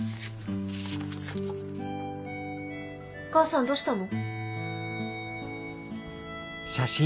お母さんどうしたの？